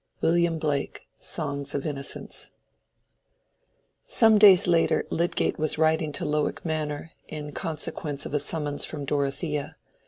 —WILLIAM BLAKE: Songs of Innocence. Some days later, Lydgate was riding to Lowick Manor, in consequence of a summons from Dorothea.